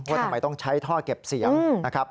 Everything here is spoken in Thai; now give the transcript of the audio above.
ว่าทำไมต้องใช้ท่อเก็บเสียงนะครับ